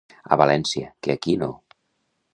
A València, que aquí no.